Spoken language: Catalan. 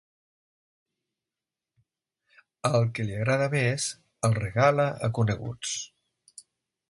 El que li agrada més, el regala a coneguts.